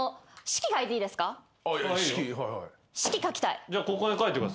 式書きたい。